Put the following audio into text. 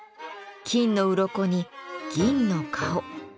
金のうろこに銀の顔。